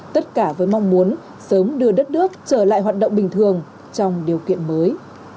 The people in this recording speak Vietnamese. tất cả với mong muốn sớm đưa đất nước trở lại hoạt động bình thường trong điều kiện mới